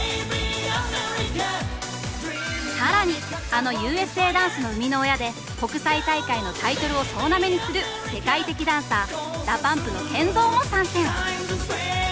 更にあのＵＳＡダンスの生みの親で国際大会のタイトルを総なめにする世界的ダンサーＤＡＰＵＭＰのＫＥＮＺＯも参戦！